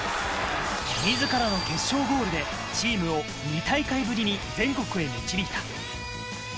自らの決勝ゴールでチームを２大会ぶりに全国へ導いた。